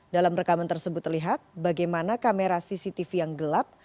dalam rekaman tersebut terlihat bagaimana kamera cctv yang gelap